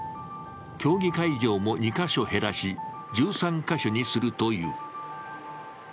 競技会場も２カ所減らし、１３カ所にするという。